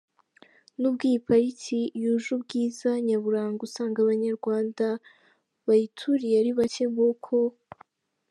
Nubwo iyi pariki yuje ubwiza nyaburanga usanga Abanyarwanda bayituriye ari bake, nk’uko .